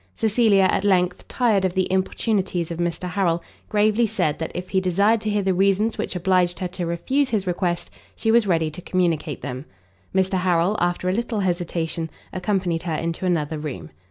Cecilia at length, tired of the importunities of Mr Harrel, gravely said, that if he desired to hear the reasons which obliged her to refuse his request, she was ready to communicate them. Mr Harrel, after a little hesitation, accompanied her into another room.